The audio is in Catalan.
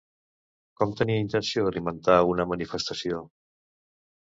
Coma tenia intenció d'alimentar una manifestació?